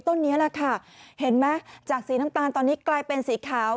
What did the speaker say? ต้นนี้แหละค่ะเห็นไหมจากสีน้ำตาลตอนนี้กลายเป็นสีขาว